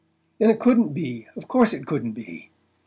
But it couldn't be of course it couldn't be.